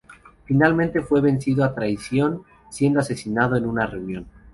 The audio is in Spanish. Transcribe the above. Finalmente fue vencido a traición, siendo asesinado en una reunión.